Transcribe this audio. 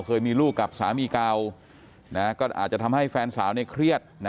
เคยมีลูกกับสามีเก่าก็อาจจะทำให้แฟนสาวเนี่ยเครียด